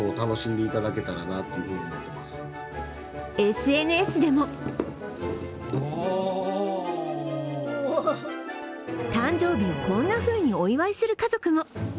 ＳＮＳでも誕生日をこんなふうにお祝いする家族も。